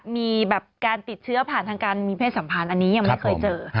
มีแบบการติดเชื้อผ่านทางการมีเพศสัมพันธ์อันนี้ยังไม่เคยเจอ